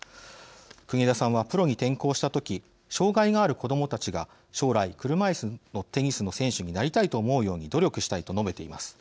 国枝さんはプロに転向した時障害がある子どもたちが将来、車いすのテニスの選手になりたいと思うように努力したいと述べています。